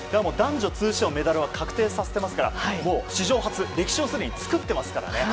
メダルは確定させていますから史上初、歴史をすでに作っていますからね。